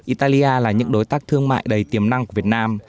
italia là những đối tác thương mại đầy tiềm năng của việt nam